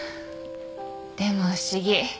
でも不思議。